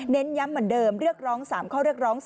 ย้ำเหมือนเดิมเรียกร้อง๓ข้อเรียกร้อง